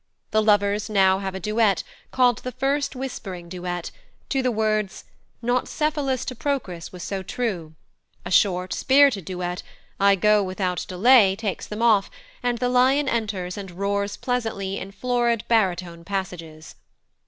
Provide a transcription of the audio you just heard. The lovers now have a duet, called the First Whispering Duet, to the words, "Not Cephalus to Procris was so true"; a short spirited duet, "I go without delay," takes them off; and the Lion enters and roars pleasantly in florid baritone passages.